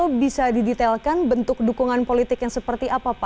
oke pak alto bisa didetailkan bentuk dukungan politik yang seperti apa